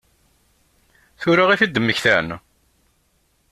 Tura i t-id-mmektan?